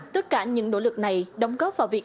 tất cả những nỗ lực này đóng góp vào việc